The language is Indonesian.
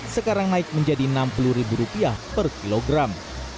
sekarang naik menjadi enam puluh ribu rupiah per kilogram